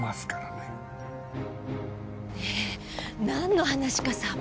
ねえなんの話かさっぱり。